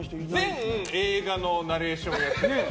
全映画のナレーションやってる。